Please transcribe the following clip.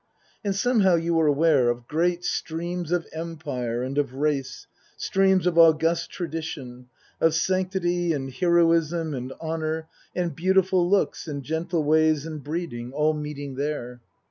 And somehow you were aware of great streams of empire and of race, streams of august tradition ; of sanctity and heroism and honour, and beautiful looks and gentle ways and breeding, all meeting there.